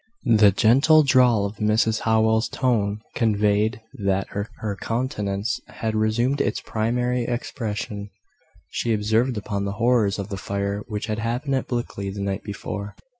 The gentle drawl of Mrs Howell's tone conveyed that her countenance had resumed its primary expression. She observed upon the horrors of the fire which had happened at Blickley the night before.